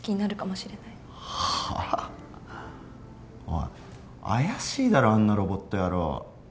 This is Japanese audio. おい怪しいだろあんなロボット野郎。